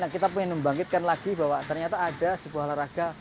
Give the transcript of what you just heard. kita pengen membangkitkan lagi bahwa ternyata ada sebuah laraga